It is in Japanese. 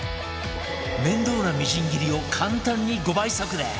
面倒なみじん切りを簡単に５倍速で！